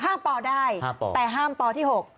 ปอได้แต่ห้ามปที่๖